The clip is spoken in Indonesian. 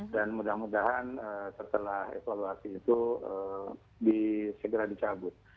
dan mudah mudahan setelah evaluasi itu segera dicabut